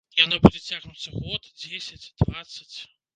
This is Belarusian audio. Яно будзе цягнуцца год, дзесяць, дваццаць?